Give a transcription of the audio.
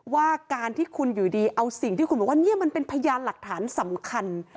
ว่าการที่คุณอยู่ดีเอาสิ่งที่คุณบอกว่านี่มันเป็นพยานหลักฐานสำคัญ